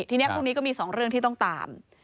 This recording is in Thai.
ทีนี้พรุ่งนี้ก็มี๒เรื่องที่ต้องตาม